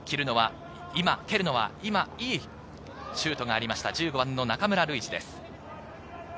蹴るのは今いいシュートがありました、１５番・中村ルイジです。